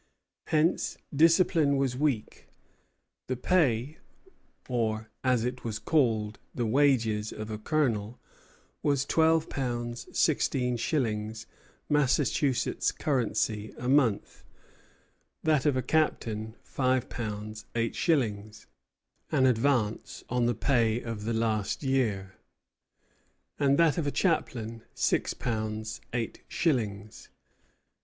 Hence discipline was weak. The pay or, as it was called, the wages of a colonel was twelve pounds sixteen shillings, Massachusetts currency, a month; that of a captain, five pounds eight shillings, an advance on the pay of the last year; and that of a chaplain, six pounds eight shillings.